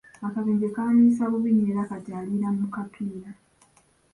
Akabenje kaamuyisa bubi nnyo era kati aliira mu kapiira.